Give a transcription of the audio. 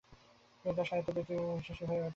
তিনি তাঁর সাহিত্য বৃত্তি সম্বন্ধে বিশ্বাসী হয়ে ওঠেন।